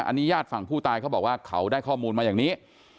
อันนี้ญาติฝั่งผู้ตายเขาบอกว่าเขาได้ข้อมูลมาอย่างนี้